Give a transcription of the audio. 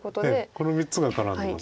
この３つが絡んでます。